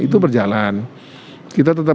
itu berjalan kita tetap